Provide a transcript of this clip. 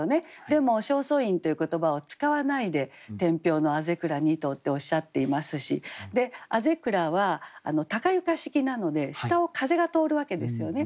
でも「正倉院」という言葉を使わないで「天平の校倉二棟」っておっしゃっていますし校倉は高床式なので下を風が通るわけですよね。